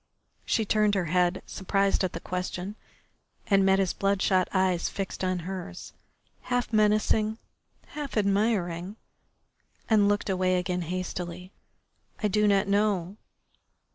She turned her head, surprised at the question, and met his bloodshot eyes fixed on hers, half menacing, half admiring, and looked away again hastily. "I do not know."